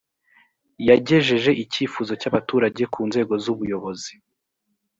yagejeje icyifuzo cy’abaturage ku nzego z ubuyobozi